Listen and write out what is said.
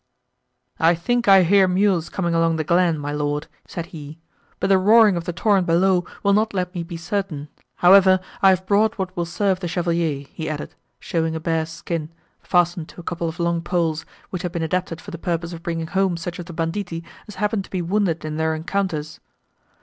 "I think I hear mules coming along the glen, my Lord," said he, "but the roaring of the torrent below will not let me be certain; however, I have brought what will serve the Chevalier," he added, showing a bear's skin, fastened to a couple of long poles, which had been adapted for the purpose of bringing home such of the banditti as happened to be wounded in their encounters.